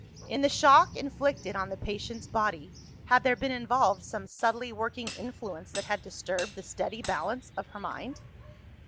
In the shock inflicted on the patient's body, had there been involved some subtly working influence that had disturbed the steady balance of her mind?